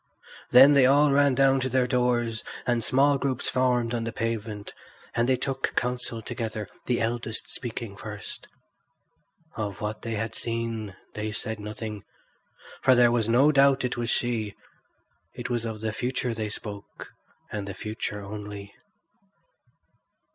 Then they all ran down to their doors, and small groups formed on the pavement; there they took counsel together, the eldest speaking first. Of what they had seen they said nothing, for there was no doubt it was she; it was of the future they spoke, and the future only.